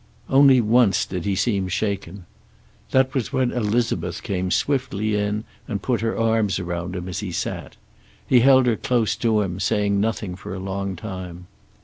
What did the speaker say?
Only once did he seem shaken. That was when Elizabeth came swiftly in and put her arms around him as he sat. He held her close to him, saying nothing for a long time.